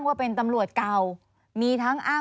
สวัสดีครับ